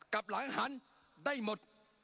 กับหลังหันได้หมด